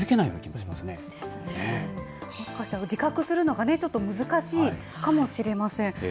もしかしたら、自覚するのがちょっと難しいかもしれません。